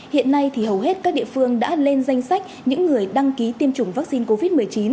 hiện nay thì hầu hết các địa phương đã lên danh sách những người đăng ký tiêm chủng vaccine covid một mươi chín